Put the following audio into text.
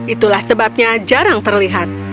itulah sebabnya jarang terlihat